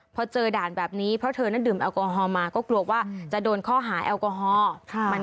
เพราะเธอนั่นก็แล้วเดิมแอลกอฮอล์มาก็ควรว่าจะโดนฆ่าหาแอลกอฮอล์